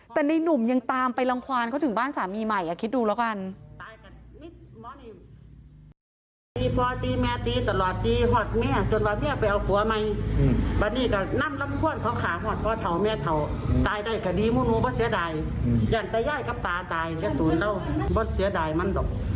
แต่ในหนุ่มยังตามไปรังความเขาถึงบ้านสามีใหม่คิดดูแล้วกัน